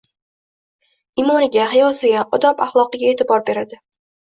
imoniga, hayosiga, odob-axloqiga e’tibor beradi.